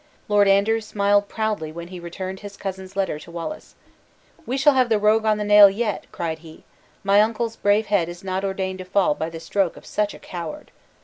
Lord Andrew smiled proudly when he returned his cousin's letter to Wallace. "We shall have the rogue on the nail yet," cried he; "my uncle's brave head is not ordained to fall by the stroke of such a coward!"